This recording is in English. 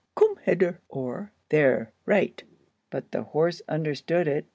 Coom hedder! or, There right! but the horse understood it.